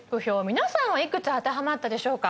皆さんはいくつ当てはまったでしょうか？